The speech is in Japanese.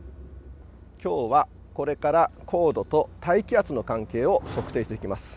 今日はこれから高度と大気圧の関係を測定していきます。